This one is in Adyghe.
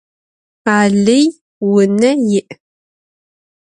Alıy vune yi'.